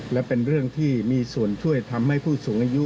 และเป็นเรื่องที่มีส่วนช่วยทำให้ผู้สูงอายุ